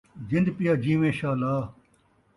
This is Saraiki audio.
جند پیا جیویں شالا